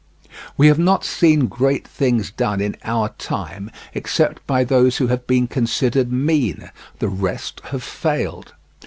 We have not seen great things done in our time except by those who have been considered mean; the rest have failed.